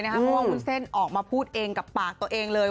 เพราะว่าวุ้นเส้นออกมาพูดเองกับปากตัวเองเลย